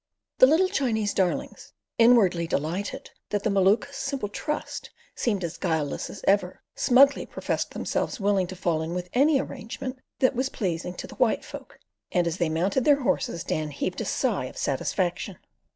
The "little Chinese darlings," inwardly delighted that the Maluka's simple trust seemed as guileless as ever, smugly professed themselves willing to fall in with any arrangement that was pleasing to the white folk, and as they mounted their horses Dan heaved a sigh of satisfaction.